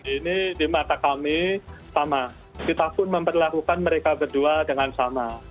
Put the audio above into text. ini di mata kami sama kita pun memperlakukan mereka berdua dengan sama